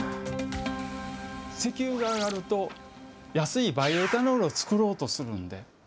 石油が上がると安いバイオエタノールを作ろうとするのね。